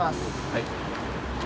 はい。